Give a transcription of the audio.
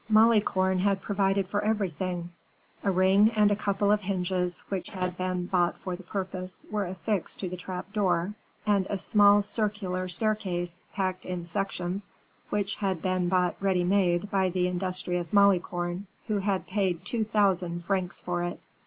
Malicorne had provided for everything: a ring and a couple of hinges which had been bought for the purpose, were affixed to the trap door; and a small circular stair case, packed in sections, had been bought ready made by the industrious Malicorne, who had paid two thousand francs for it.